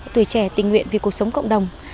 tuổi trẻ tình nguyện vì cuộc sống cộng đồng